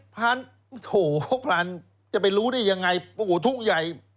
พรานโอ้โหพรานจะไปรู้ได้ยังไงโอ้โหทุ่งใหญ่